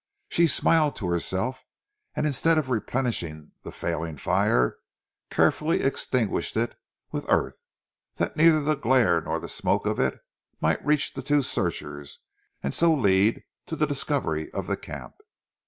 She smiled to herself, and instead of replenishing the failing fire, carefully extinguished it with earth, that neither the glare nor the smoke of it might reach the two searchers and so lead to the discovery of the camp.